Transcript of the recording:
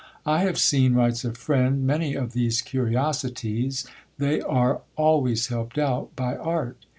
"I have seen," writes a friend, "many of these curiosities. They are always helped out by art.